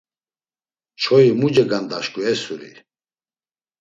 Çoyi mu cegandaşǩu esuri!